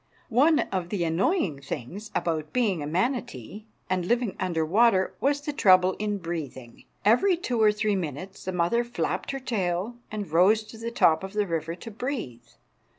One of the annoying things about being a manatee and living under water was the trouble in breathing. Every two or three minutes the mother flapped her tail and rose to the top of the river to breathe.